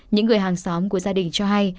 những người hàng xóm của gia đình cho hay